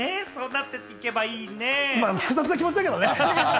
複雑な気持ちだけれどもね。